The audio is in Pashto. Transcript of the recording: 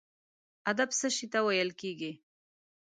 ادب څه شي ته ویل کیږي؟